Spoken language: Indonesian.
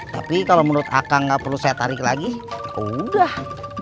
tapi kalau menurut akang gak perlu saya tarik lagi kok udah